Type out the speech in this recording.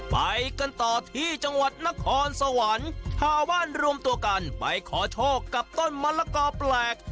ไปกันต่อที่จังหวัดนครสวรรค์ชาวบ้านรวมตัวกันไปขอโชคกับต้นมะละกอแปลก